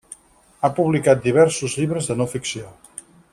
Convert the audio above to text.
Ha publicat diversos llibres de no ficció.